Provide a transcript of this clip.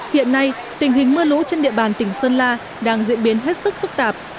hiện nay tình hình mưa lũ trên địa bàn tỉnh sơn la đang diễn biến hết sức phức tạp